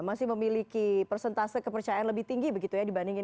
masih memiliki persentase kepercayaan lebih tinggi begitu ya dibandingin